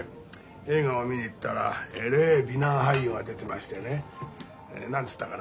映画を見に行ったらえれえ美男俳優が出てましてね何つったかな？